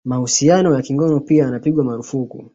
Mahusiano ya kingono pia yanapigwa marufuku